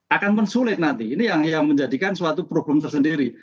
akan mensulit nanti ini yang menjadikan suatu problem tersendiri